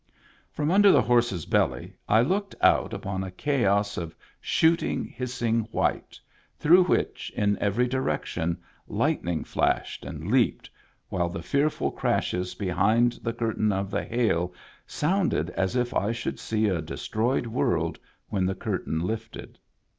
From under the horse's belly I looked out upon a chaos of shooting, hissing white, through which, in every direction, lightning flashed and leaped, while the fearful crashes behind the cur tain of the hail sounded as if I should see a de stroyed world when the curtain lifted.